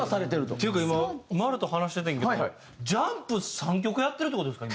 っていうか今マルと話しててんけど『ジャンプ』３曲やってるって事ですか？